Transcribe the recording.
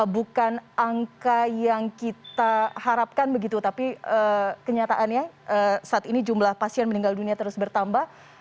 bukan angka yang kita harapkan begitu tapi kenyataannya saat ini jumlah pasien meninggal dunia terus bertambah